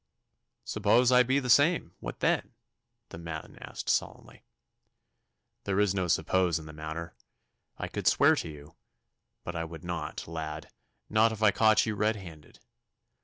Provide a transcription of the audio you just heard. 'Suppose I be the same? What then?' the man asked sullenly. 'There is no suppose in the matter. I could swear to you. But I would not, lad not if I caught you red handed.